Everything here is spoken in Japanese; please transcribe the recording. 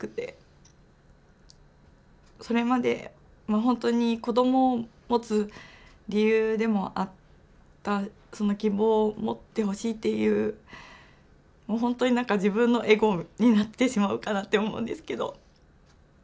それまで本当に子どもを持つ理由でもあった希望を持ってほしいっていう本当に何か自分のエゴになってしまうかなって思うんですけど。